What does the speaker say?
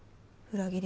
裏切り。